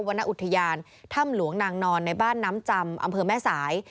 รณอุทยานถ้ำหลวงนางนอนในบ้านน้ำจำอำเภอแม่สาย